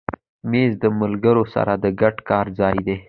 مېز د ملګرو سره د ګډ کار ځای دی.